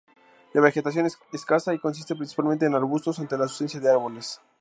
La vegetación es escasa y consiste principalmente de arbustos, ante la ausencia de árboles.